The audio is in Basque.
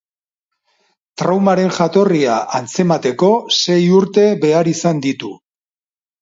Traumaren jatorria antzemateko sei urte behar izan ditu.